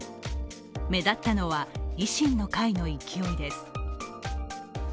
目立ったのは、維新の会の勢いです